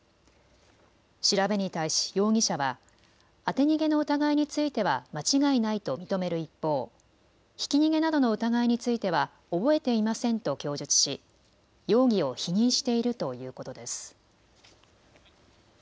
調べに対し容疑者は当て逃げの疑いについては間違いないと認める一方、ひき逃げなどの疑いについては覚えていませんと供述し容疑を否認しているということです。